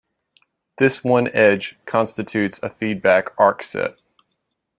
This one edge constitutes a feedback arc set.